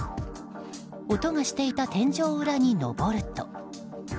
音がしていた天井裏に上ると。